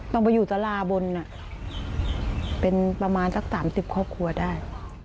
ต้องไปอยู่สาราบนเป็นประมาณสัก๓๐ครอบครัวได้